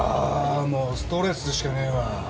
もうストレスしかねえわ。